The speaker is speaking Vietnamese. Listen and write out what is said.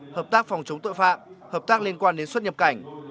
hợp tác phòng chống tội phạm hợp tác liên quan đến xuất nhập cảnh